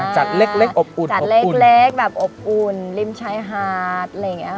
จัดเล็กอบอุ่นริมชายหาด